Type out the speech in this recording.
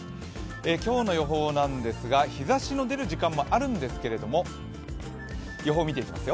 今日の予報なんですが、日ざしの出る時間もあるんですけれども予報を見ていきます。